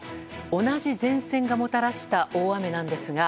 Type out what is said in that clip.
同じ前線がもたらした大雨なんですが。